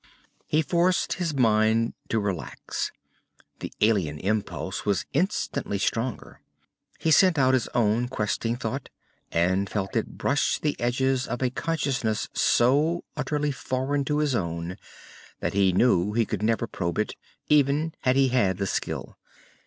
He forced his mind to relax. The alien impulse was instantly stronger. He sent out his own questing thought and felt it brush the edges of a consciousness so utterly foreign to his own that he knew he could never probe it, even had he had the skill.